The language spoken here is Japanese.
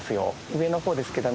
上の方ですけど。